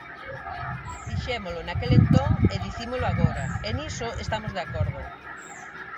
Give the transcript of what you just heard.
Dixémolo naquel entón e dicímolo agora, e niso estamos de acordo.